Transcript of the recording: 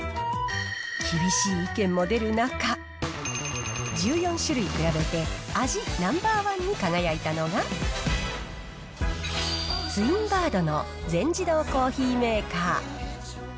厳しい意見も出る中、１４種類比べて、味ナンバー１に輝いたのが、ツインバードの全自動コーヒーメーカー。